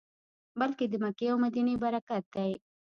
بلکې د مکې او مدینې برکت دی.